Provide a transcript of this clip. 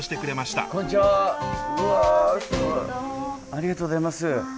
ありがとうございます。